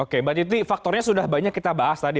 oke mbak titi faktornya sudah banyak kita bahas tadi